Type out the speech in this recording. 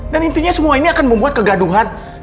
dan intinya semua ini akan membuat kegaduhan